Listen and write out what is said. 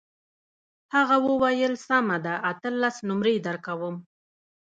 هغه وویل سمه ده اتلس نمرې درکوم.